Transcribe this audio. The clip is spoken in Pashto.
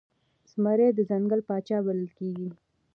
زمری د ځنګل پاچا بلل کېږي.